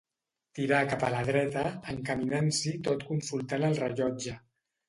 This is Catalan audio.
Tirà cap a la dreta, encaminant-s'hi tot consultant el rellotge.